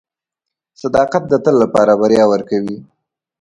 • صداقت د تل لپاره بریا ورکوي.